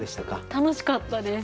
楽しかったです。